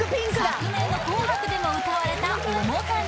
昨年の紅白でも歌われた「おもかげ」